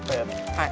はい。